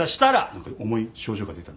なんか重い症状が出た。